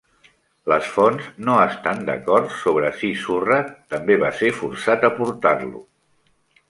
Les fonts no estan d'acord sobre si Surratt també va ser forçat a portar-lo.